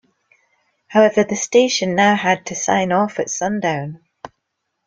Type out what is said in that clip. However, the station now had to sign off at sundown.